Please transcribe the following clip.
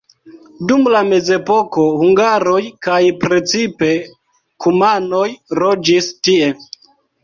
Dum la mezepoko hungaroj kaj precipe kumanoj loĝis tie.